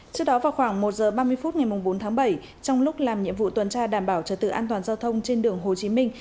trước đó vào khoảng một giờ ba mươi phút ngày bốn tháng bảy trong lúc làm nhiệm vụ tuần tra đảm bảo trật tự an toàn giao thông trên đường hồ chí minh